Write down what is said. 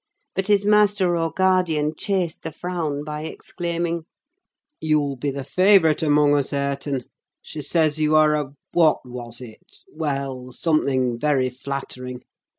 But his master or guardian chased the frown by exclaiming— "You'll be the favourite among us, Hareton! She says you are a—What was it? Well, something very flattering.